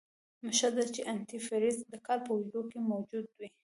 ښه ده چې انتي فریز دکال په اوږدو کې موجود وي.